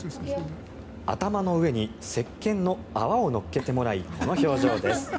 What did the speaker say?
頭の上にせっけんの泡を乗っけてもらいこの表情です。